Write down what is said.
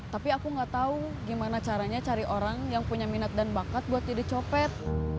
tapi aku gak tau gimana caranya cari orang yang punya minat dan bakat buat jadi copet